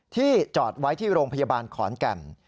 จอดไว้ที่โรงพยาบาลขอนแก่น